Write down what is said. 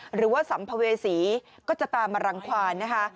หรือว่าสัมภเวษีก็จะตามมารังความนะคะ